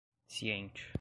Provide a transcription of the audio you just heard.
ciente